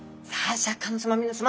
シャーク香音さま皆さま！